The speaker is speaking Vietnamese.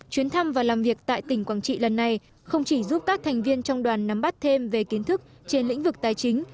chuyến thăm và làm việc tại tỉnh quảng trị lần này không chỉ giúp các thành viên trong đoàn nắm bắt thêm về kiến thức trên lĩnh vực tài chính